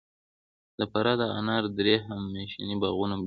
د فراه د انار درې د هخامنشي باغونو بېلګه ده